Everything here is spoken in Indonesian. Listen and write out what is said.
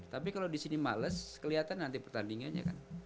tapi kalau disini males kelihatan nanti pertandingannya kan